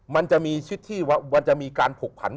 มันจะมีชิดที่มันจะมีการผกผัน